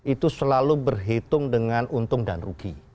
itu selalu berhitung dengan untung dan rugi